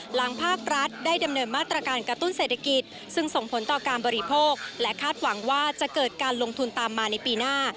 ภาครัฐได้ดำเนินมาตรการกระตุ้นเศรษฐกิจซึ่งส่งผลต่อการบริโภคและคาดหวังว่าจะเกิดการลงทุนตามมาในปีหน้า